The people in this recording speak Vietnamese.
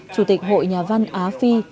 chủ tịch hội nhà văn á phi